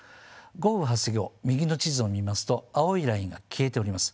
豪雨発生後右の地図を見ますと青いラインが消えております。